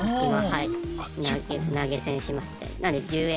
はい。